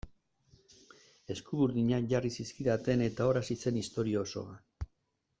Eskuburdinak jarri zizkidaten eta hor hasi zen historia osoa.